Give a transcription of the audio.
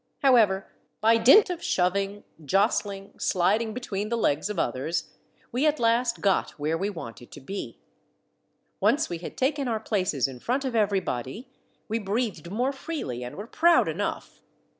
However, by dint of shoving, jost ling, sliding between the legs of others, we at last got where we wanted to be. Once we had taken our places in front of everybody, we breathed more freely, and were proud enough.